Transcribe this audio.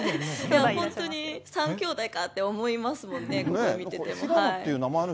本当に３きょうだいかって思いますもんね、これ見てても。